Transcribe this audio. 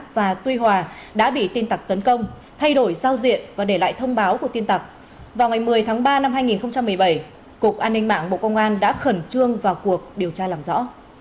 vào ngày một mươi tháng ba năm hai nghìn một mươi bảy cục an ninh mạng bộ công an đã khẩn trương vào cuộc điều tra làm rõ